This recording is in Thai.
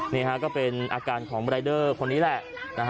นี่ฮะก็เป็นอาการของรายเดอร์คนนี้แหละ